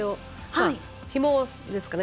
ひもですかね。